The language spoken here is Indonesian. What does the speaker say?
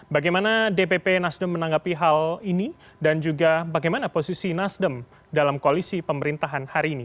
bagaimana dpp nasdem menanggapi hal ini dan juga bagaimana posisi nasdem dalam koalisi pemerintahan hari ini